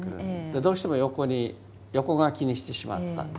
どうしても横に横書きにしてしまったんですね。